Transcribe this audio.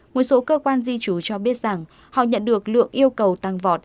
một số cơ quan di trú cho biết rằng họ nhận được lượng yêu cầu tăng vọt